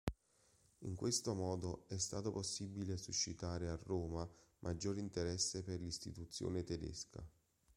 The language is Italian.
In questo modo è stato possibile suscitare a Roma maggior interesse per l’istituzione tedesca.